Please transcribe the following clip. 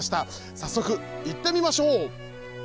早速行ってみましょう！